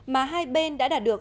mà hai bên đã đạt được